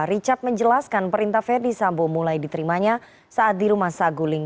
richard menjelaskan perintah verdi sambo mulai diterimanya saat di rumah saguling